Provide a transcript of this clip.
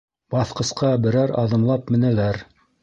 Баҫҡысҡа берәр аҙымлап менәләр.